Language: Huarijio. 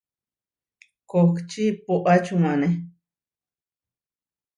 Kohčí poʼačúmane.